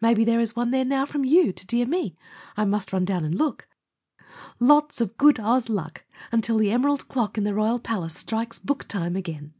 Maybe there is one there now from you to dear me? I must run down and look. Lots of good Oz luck until the Emerald clock in the royal palace strikes book time again!